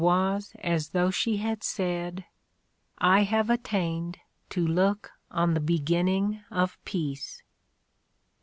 was as though she had said, ''I have attained to look on the beginning of peace."